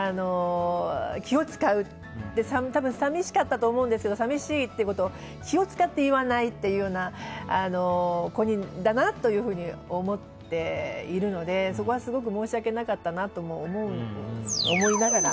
気を使うし、多分寂しかったと思うんですけど寂しいということを気を使って言わないという子だなと思っているのでそこはすごく申し訳なかったなとも思いながら。